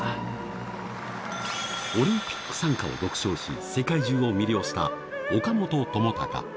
『オリンピック賛歌』を独唱し世界中を魅了した